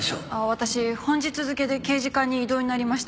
私本日付で刑事課に異動になりました